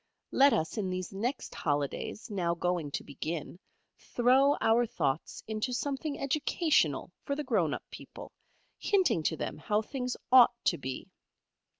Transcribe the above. Let us in these next Holidays, now going to begin, throw our thoughts into something educational for the grown up people, hinting to them how things ought to be.